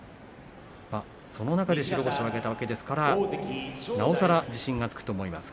その中で白星を挙げたわけですからなおさら自信がつくと思います。